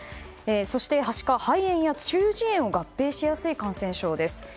そして、はしか、肺炎や中耳炎を合併しやすい感染症です。